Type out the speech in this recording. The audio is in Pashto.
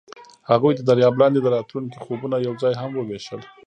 هغوی د دریاب لاندې د راتلونکي خوبونه یوځای هم وویشل.